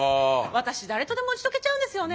私誰とでも打ち解けちゃうんですよね。